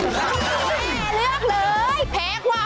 แม่เลือกเลย